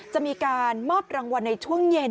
จะมีการมอบรางวัลในช่วงเย็น